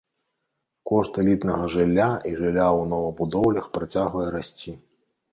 Кошт элітнага жылля і жылля ў новабудоўлях працягвае расці.